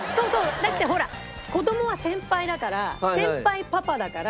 だってほら子どもは先輩だから先輩パパだから。